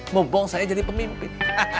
mumpung saya jadi pemimpin